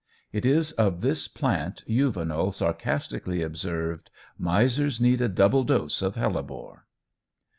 It is of this plant Juvenal sarcastically observes: "Misers need a double dose of hellebore."